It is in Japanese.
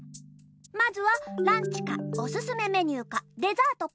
まずはランチかおすすめメニューかデザートか。